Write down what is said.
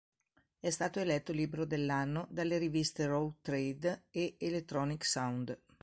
È stato eletto "Libro dell'anno" dalle riviste "Rough Trade" e "Electronic Sound".